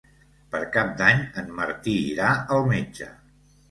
Per Cap d'Any en Martí irà al metge.